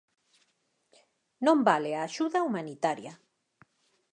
Non vale a axuda humanitaria.